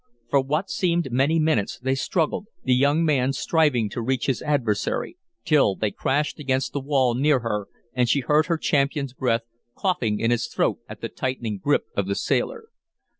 For what seemed many minutes they struggled, the young man striving to reach his adversary, till they crashed against the wall near her and she heard her champion's breath coughing in his throat at the tightening grip of the sailor.